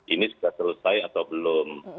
ini sudah selesai atau belum